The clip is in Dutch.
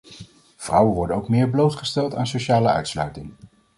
Vrouwen worden ook meer blootgesteld aan sociale uitsluiting.